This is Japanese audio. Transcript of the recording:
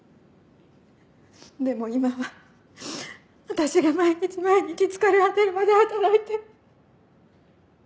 でも今は私が毎日毎日疲れ果てるまで働いて。